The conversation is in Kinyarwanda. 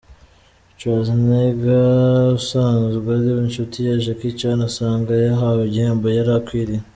Schwarzenegger usanzwe ari inshuti ya Jackie Chan, asanga yahawe igihembo yari akwiriye.